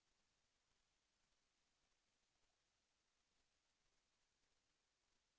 แสวได้ไงของเราก็เชียนนักอยู่ค่ะเป็นผู้ร่วมงานที่ดีมาก